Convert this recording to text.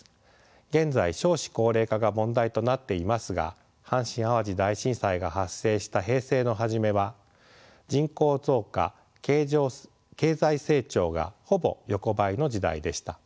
現在少子高齢化が問題となっていますが阪神・淡路大震災が発生した平成の初めは人口増加経済成長がほぼ横ばいの時代でした。